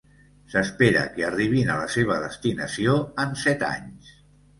S'espera que arribin a la seva destinació en set anys.